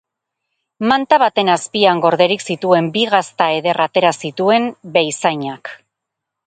Manta baten azpian gorderik zituen bi gazta eder atera zituen behizainak.